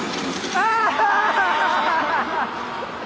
あ！